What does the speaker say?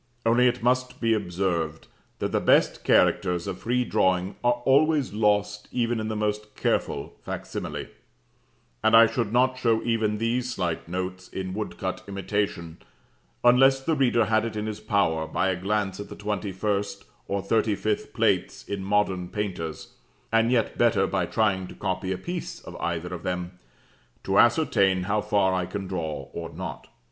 Only it must be observed that the best characters of free drawing are always lost even in the most careful facsimile; and I should not show even these slight notes in woodcut imitation, unless the reader had it in his power, by a glance at the 21st or 35th plates in Modern Painters (and yet better, by trying to copy a piece of either of them), to ascertain how far I can draw or not.